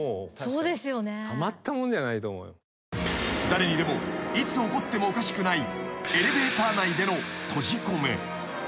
［誰にでもいつ起こってもおかしくないエレベーター内での閉じ込め］